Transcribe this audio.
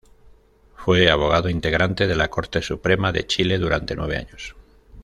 Fue abogado integrante de la Corte Suprema de Chile durante nueve años.